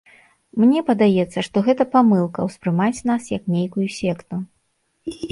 Мне падаецца, што гэта памылка, ўспрымаць нас як нейкую секту.